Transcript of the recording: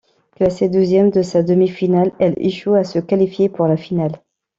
Classée douzième de sa demi-finale, elle échoue à se qualifier pour la finale.